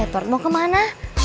edward mau kemana